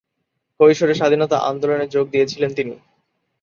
কৈশোরে স্বাধীনতা আন্দোলনে যোগ দিয়েছিলেন তিনি।